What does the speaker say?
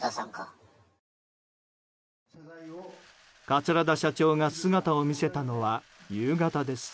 桂田社長が姿を見せたのは夕方です。